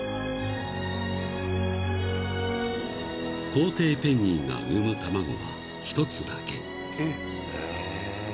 ［コウテイペンギンが産む卵は１つだけ］